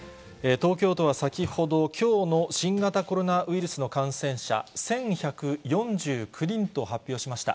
東京都は先ほど、きょうの新型コロナウイルスの感染者、１１４９人と発表しました。